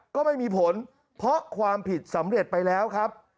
ก็ไม่มีผลเพราะความผิดสำเร็จไปแล้วครับ